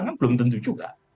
kan belum tentu juga